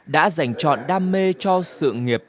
đã giành chọn đam mê cho sự nghiệp